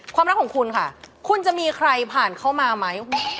ความรักของคุณค่ะคุณจะมีใครผ่านเข้ามาไหม